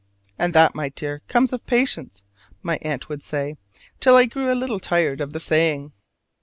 "And that, my dear, comes of patience," my aunt would say, till I grew a little tired of the saying.